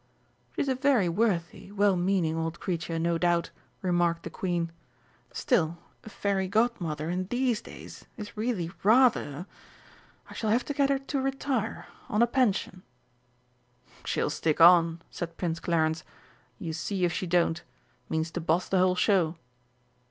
"She's a very worthy, well meaning old creature, no doubt," remarked the Queen; "still, a Fairy Godmother in these days is really rather I shall have to get her to retire on a pension." "She'll stick on," said Prince Clarence, "you see if she don't. Means to boss the whole show."